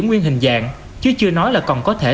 nguyên hình dạng chứ chưa nói là còn có thể